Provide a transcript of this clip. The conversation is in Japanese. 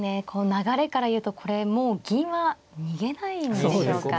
流れから言うとこれもう銀は逃げないんでしょうか。